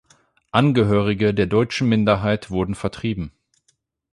Angehörige der deutschen Minderheit wurden vertrieben.